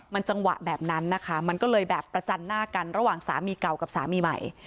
มันจังหวะแบบนั้นนะคะมันก็เลยแบบประจันหน้ากันระหว่างสามีเก่ากับสามีใหม่